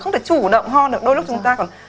không thể chủ động hơn được đôi lúc chúng ta còn